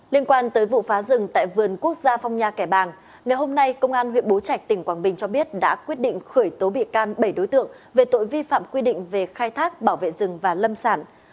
liên quan tới vụ phá rừng tại vườn quốc gia phong nha kẻ bàng ngày hôm nay công an huyện bố trạch tỉnh quảng bình cho biết đã quyết định khởi tố bị can bảy đối tượng về tội vi phạm quy định về khai thác bảo vệ rừng và lâm sản